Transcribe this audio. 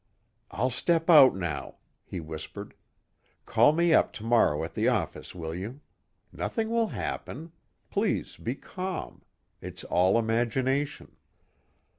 "I'll step out now," he whispered. "Call me up tomorrow at the office, will you? Nothing will happen. Please, be calm. It's all imagination."